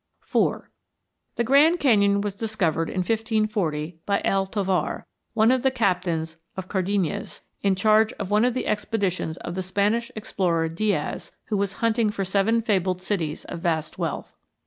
IV The Grand Canyon was discovered in 1540 by El Tovar, one of the captains of Cardenas, in charge of one of the expeditions of the Spanish explorer, Diaz, who was hunting for seven fabled cities of vast wealth.